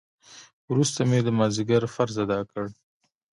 وروسته مې د مازديګر فرض ادا کړ.